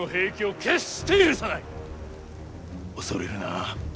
恐れるな。